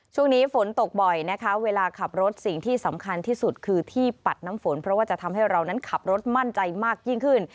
ช่วงนี้ฝนตกบ่อยนะคะเวลาขับรถสิ่งที่สำคัญที่สุดคือที่ปัดน้ำฝนเพราะว่าจะทำให้เรานั้นขับรถมั่นใจมากยิ่งขึ้น